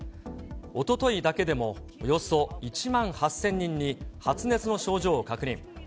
おとといだけでもおよそ１万８０００人に発熱の症状を確認。